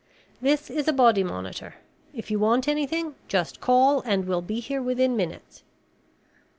"This is a body monitor. If you want anything just call and we'll be here within minutes."